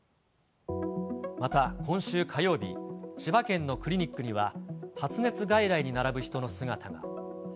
また、今週火曜日、千葉県のクリニックには、発熱外来に並ぶ人の姿が。